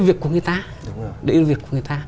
việc của người ta